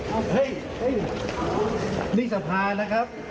เฮ้ยนี่สภานะครับ